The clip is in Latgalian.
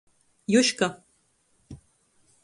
Juška.